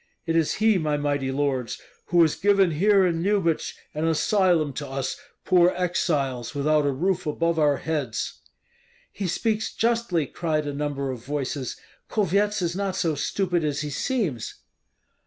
It is he, my mighty lords, who has given here in Lyubich an asylum to us poor exiles without a roof above our heads." "He speaks justly," cried a number of voices; "Kulvyets is not so stupid as he seems."